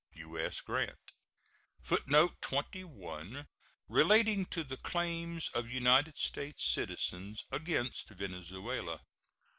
U.S. GRANT. [Footnote 21: Relating to the claims of United States citizens against Venezuela.